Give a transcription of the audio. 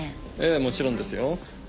ええもちろんですよ。